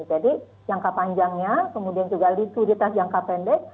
jadi jangka panjangnya kemudian juga likuiditas jangka pendek